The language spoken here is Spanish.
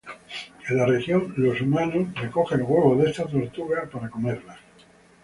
En la región, los humanos recogen los huevos de esta tortuga para comer.